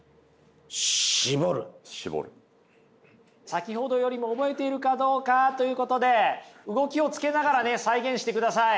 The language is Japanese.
先ほどよりも覚えているかどうかということで動きをつけながらね再現してください。